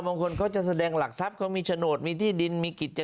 บางคนเขาจะแสดงหลักทรัพย์เขามีโฉนดมีที่ดินมีกิจ